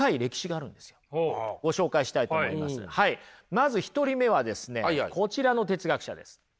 まず１人目はですねこちらの哲学者です。